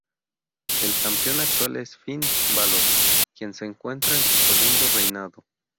El campeón actual es Finn Bálor, quien se encuentra en su segundo reinado.